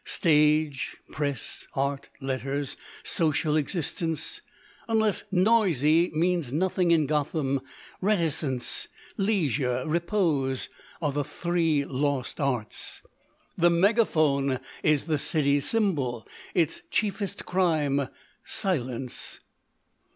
Stage, press, art, letters, social existence unless noisy mean nothing in Gotham; reticence, leisure, repose are the three lost arts. The megaphone is the city's symbol; its chiefest crime, silence.